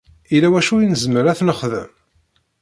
Yella wacu i nezmer ad t-nexdem?